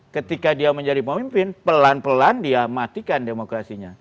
ketika dia menjadi pemimpin pelan pelan dia matikan demokrasinya